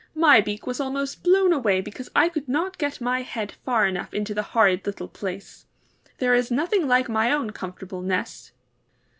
beak was almost blown away because I could not get my head far enough into the horrid little place. There is nothing like my own comfortable nest!"